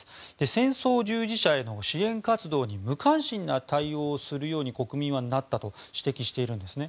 戦争従事者への支援活動に無関心な対応をするように国民はなったと指摘しているんですね。